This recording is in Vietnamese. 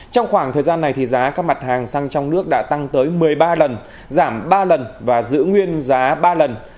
trong khoảng thời gian này giá các mặt hàng xăng trong nước đã tăng tới một mươi ba lần giảm ba lần và giữ nguyên giá ba lần